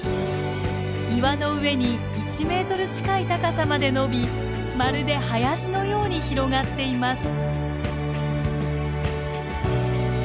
岩の上に１ｍ近い高さまで伸びまるで林のように広がっています。